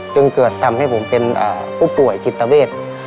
จึงเกิดทำให้ผมเป็นผู้ป่วยกิจตะเบศ